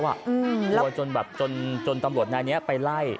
กลัวจนตำรวจนายนี้ไปไล่